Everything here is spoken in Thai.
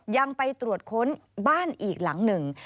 ยังไปตรวจค้นบ้านอีกหลังหนึ่ง